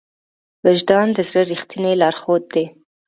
وجدان د زړه ریښتینی لارښود دی.